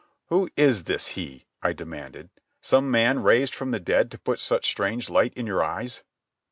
"Who is this he?" I demanded. "Some man raised from the dead to put such strange light in your eyes?"